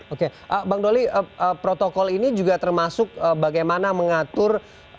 oke bang doli protokol ini juga termasuk bagaimana mengatur